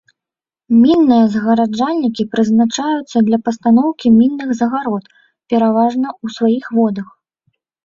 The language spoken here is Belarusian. Мінныя загараджальнікі прызначаюцца для пастаноўкі мінных загарод пераважна ў сваіх водах.